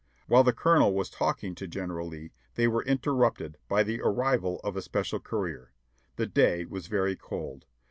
While the Colonel was talking to General Lee they were interrupted bv the arrival of a special courier. The day was very cold.